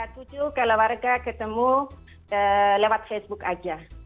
tujuh keluarga ketemu lewat facebook aja